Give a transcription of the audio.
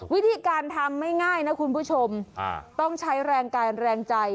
วิธีการทำไม่ง่ายนะคุณผู้ชมต้องใช้แรงกายแรงใจ